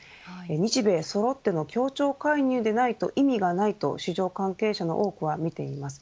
日米そろっての協調介入でないと意味がないと市場関係者の多くは見ています。